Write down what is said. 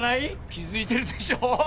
気付いてるでしょ？